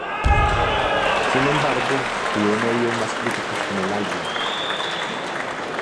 Sin embargo, hubo medios más críticos con el álbum.